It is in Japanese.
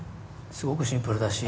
すごくシンプルだし。